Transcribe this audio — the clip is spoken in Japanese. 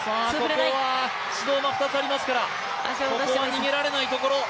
ここは指導も２つありますから、逃げられないところ。